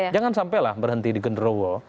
jangan sampelah berhenti di genderowo